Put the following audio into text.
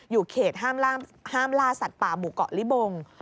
เขตห้ามล่าสัตว์ป่าหมู่เกาะลิบง